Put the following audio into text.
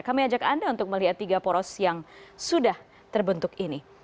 kami ajak anda untuk melihat tiga poros yang sudah terbentuk ini